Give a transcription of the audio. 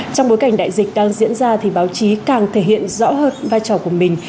trong bối cảnh đại dịch đang diễn ra thì báo chí càng thể hiện rõ hơn vai trò của mình